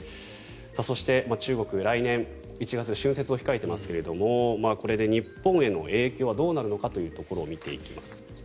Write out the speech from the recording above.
そして、中国来年１月に春節を控えていますがこれで日本への影響はどうなるのかというところを見ていきます。